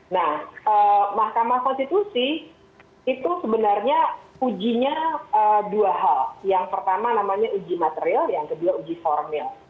nah mahkamah konstitusi itu sebenarnya ujinya dua hal yang pertama namanya uji material yang kedua uji formil